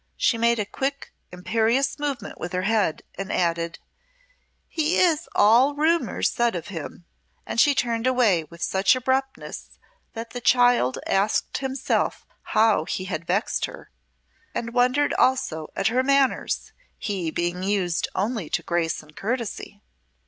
She made a quick, imperious movement with her head, and added: "He is all rumour said of him;" and she turned away with such abruptness that the child asked himself how he had vexed her, and wondered also at her manners, he being used only to grace and courtesy.